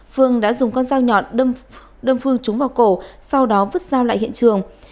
phương đã dùng con dao nhọn đâm phương trúng vào cổ sau đó vứt dao lại hiện trường